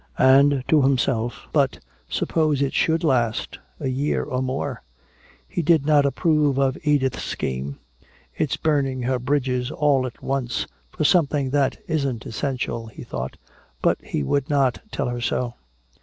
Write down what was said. And to himself: "But suppose it should last a year or more." He did not approve of Edith's scheme. "It's burning her bridges all at once, for something that isn't essential," he thought. But he would not tell her so.